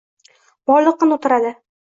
Borliqqa nur taradi.